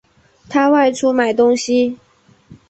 他外出买东西